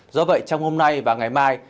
do vậy trong hôm nay và ngày mai